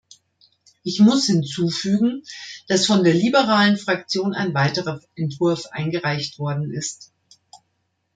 Ich muss hinzufügen, dass von der liberalen Fraktion ein weiterer Entwurf eingereicht worden ist.